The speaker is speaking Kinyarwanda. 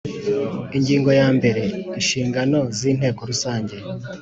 Ingingo yambere Inshingano z Inteko Rusange